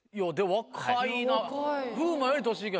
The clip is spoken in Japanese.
若いな。